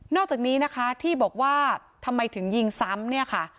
อกจากนี้นะคะที่บอกว่าทำไมถึงยิงซ้ำเนี่ยค่ะ